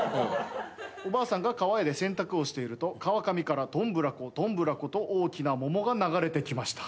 おばあさんが川で洗濯をしていると川上からどんぶらこどんぶらこと大きな桃が流れてきました。